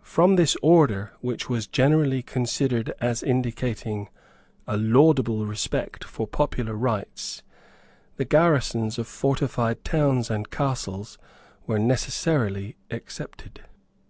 From this order, which was generally considered as indicating a laudable respect for popular rights, the garrisons of fortified towns and castles were necessarily excepted.